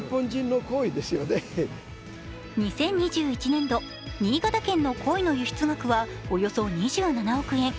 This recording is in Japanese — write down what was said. ２０２１年度、新潟県のこいの輸出額はおよそ２７億円。